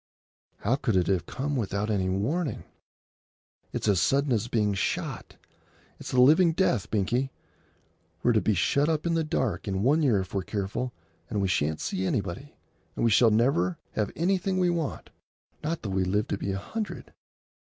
"How could it have come without any warning? It's as sudden as being shot. It's the living death, Binkie. We're to be shut up in the dark in one year if we're careful, and we shan't see anybody, and we shall never have anything we want, not though we live to be a hundred!"